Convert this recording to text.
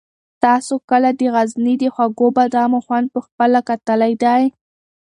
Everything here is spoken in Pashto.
تاسو کله د غزني د خوږو بادامو خوند په خپله کتلی دی؟